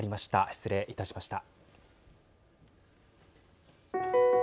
失礼いたしました。